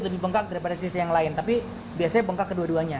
lebih bengkak daripada sisi yang lain tapi biasanya bengkak kedua duanya